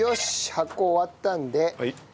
発酵終わったので。